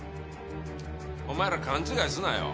お前ら勘違いすんなよ。